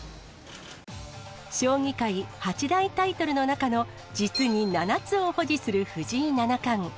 将棋界、八大タイトルの中の実に７つを保持する藤井七冠。